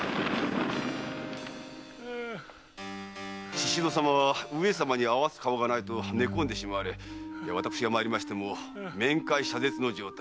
宍戸様は「上様に合わす顔がない」と寝込んでしまわれ私が参りましても面会謝絶の状態。